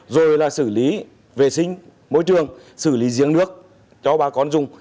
rồi là xử lý vệ sinh môi trường xử lý giếng nước cho bà con dùng